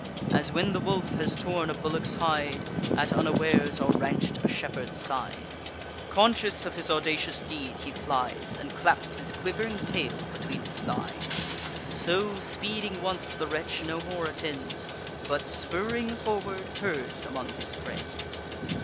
As, when the wolf has torn a bullock's hide At unawares, or ranch'd a shepherd's side, Conscious of his audacious deed, he flies, And claps his quiv'ring tail between his thighs: So, speeding once, the wretch no more attends, But, spurring forward, herds among his friends.